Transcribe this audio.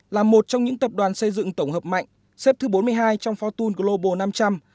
là một trong những tập đoàn xây dựng tổng hợp mạnh xếp thứ bốn mươi hai trong fortune global năm trăm linh